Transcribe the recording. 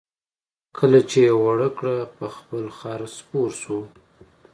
کله چې یې اوړه کړه په خپل خر سپور شو.